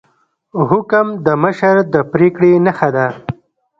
حکم د مشر د پریکړې نښه ده